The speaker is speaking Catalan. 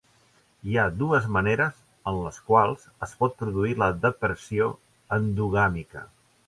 Hi ha dues maneres en les quals es pot produir la depressió endogàmica.